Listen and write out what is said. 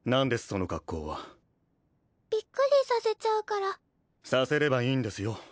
その格好はびっくりさせちゃうからさせればいいんですよ